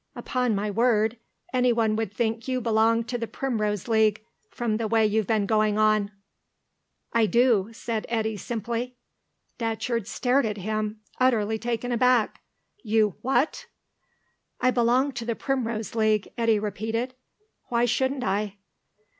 Upon my word, anyone would think you belonged to the Primrose League, from the way you've been going on." "I do," said Eddy simply. Datcherd stared at him, utterly taken aback. "You what?" "I belong to the Primrose League," Eddy repeated. "Why shouldn't I?"